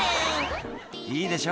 「いいでしょ